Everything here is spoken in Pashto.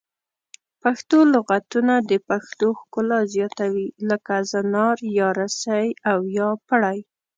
پښتو لغتونه د پښتو ښکلا زیاتوي لکه زنار یا رسۍ او یا پړی